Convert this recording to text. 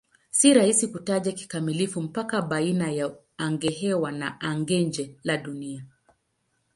Si rahisi kutaja kikamilifu mpaka baina ya angahewa na anga-nje la Dunia.